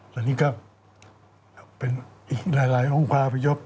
ตอนนี้ก็เป็นอีกหลายองค์พาพยพ